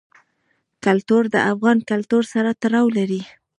کلتور د افغان کلتور سره تړاو لري.